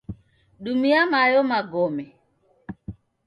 Dumia mayo magome